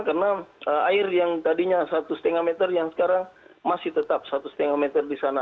karena air yang tadinya satu lima meter yang sekarang masih tetap satu lima meter di sana